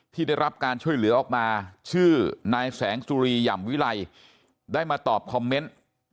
ที่ได้รับการช่วยเหลือออกมาชื่อนายแสงสุรีหย่ำวิไลได้มาตอบคอมเมนต์